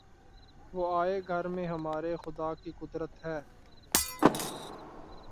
وہ آئے گھر میں ہمارے‘ خدا کی قدرت ہے!